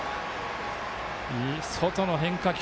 外の変化球。